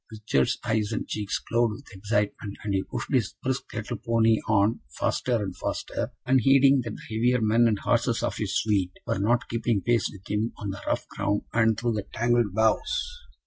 Richard's eyes and cheeks glowed with excitement, and he pushed his brisk little pony on faster and faster, unheeding that the heavier men and horses of his suite were not keeping pace with him on the rough ground and through the tangled boughs.